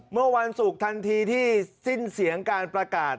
เมื่อวันศุกร์ทันทีที่สิ้นเสียงการประกาศ